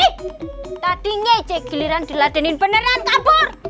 ih tadi ngece giliran diladenin beneran kabur